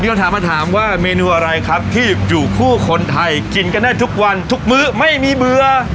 คำถามมาถามว่าเมนูอะไรครับที่อยู่คู่คนไทยกินกันได้ทุกวันทุกมื้อไม่มีเบื่อ